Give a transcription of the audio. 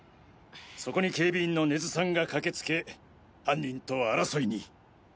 そこに警備員の根津さんが駆けつけ犯人と争いに。